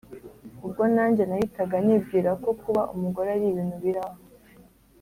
ubwo nanjye nahitaga nibwira ko kuba umugore ari ibintu biraho